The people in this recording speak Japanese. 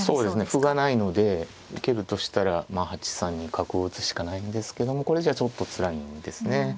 歩がないので受けるとしたらまあ８三に角を打つしかないんですけどもこれじゃちょっとつらいんですね。